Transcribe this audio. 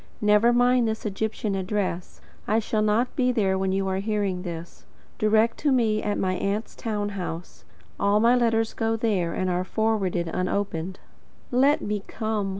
Never mind this Egyptian address. I shall not be there when you are hearing this. Direct to me at my aunt's town house. All my letters go there, and are forwarded unopened. LET ME COME.